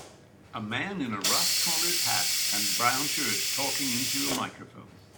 A man in a rustcolored hat and brown shirt, talking into a microphone.